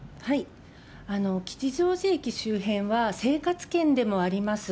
吉祥寺駅周辺は生活圏でもあります。